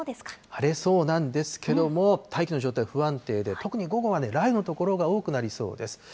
晴れそうなんですけども、大気の状態不安定で、特に午後はね、雷雨の所が多くなりそうです。